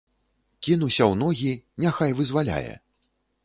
Кінуся ў ногі, няхай вызваляе.